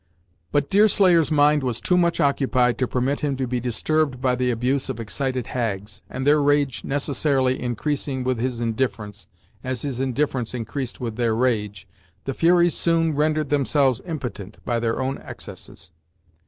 But Deerslayer's mind was too much occupied to permit him to be disturbed by the abuse of excited hags, and their rage necessarily increasing with his indifference, as his indifference increased with their rage, the furies soon rendered themselves impotent by their own excesses.